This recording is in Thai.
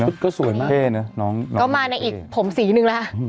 ชุดก็สวยมากน้องที่เทกก็มาในอีกผมสีหนึ่งละ